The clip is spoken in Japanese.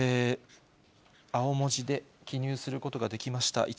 青文字で記入することができました。